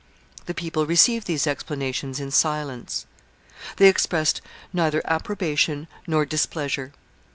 The people received these explanations in silence. They expressed neither approbation nor displeasure.